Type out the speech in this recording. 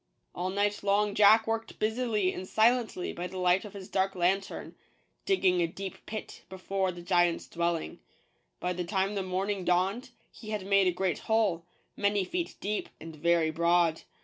All night long Jack worked busily and silently by the light of his dark lantern, digging a deep pit be fore the giant's dwelling. By the time the morning dawned, he had made a great hole, many feet deep, and very broad.